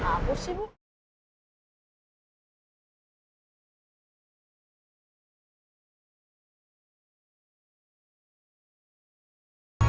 kasih acabar sebelah